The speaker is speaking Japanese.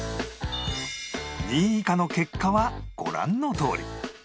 ２位以下の結果はご覧のとおり